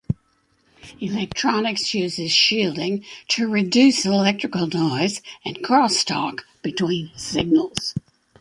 Electronics uses shielding to reduce electrical noise and crosstalk between signals.